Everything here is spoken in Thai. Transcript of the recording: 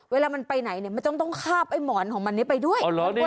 เวลามันไปไหนเนี่ยมันต้องคาบไอ้หมอนของมันนี้ไปด้วย